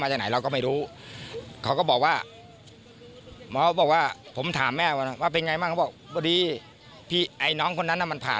เพราะมีสุภาพที่ละห่า